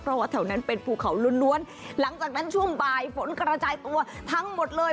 เพราะว่าแถวนั้นเป็นภูเขาล้วนล้วนหลังจากนั้นช่วงบ่ายฝนกระจายตัวทั้งหมดเลย